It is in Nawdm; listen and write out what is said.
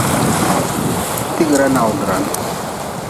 Tigra nawdran.